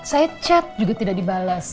saya chat juga tidak dibalas